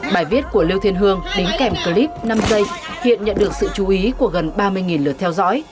bài viết của lưu thiên hương đính kèm clip năm giây hiện nhận được sự chú ý của gần ba mươi lượt theo dõi